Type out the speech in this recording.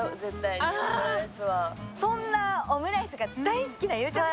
そんなオムライスが大好きなゆうちゃみ